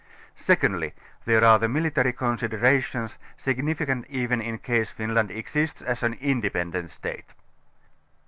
Secondly there are the military considerations, signifi cant even in case Finland exists as an independent State.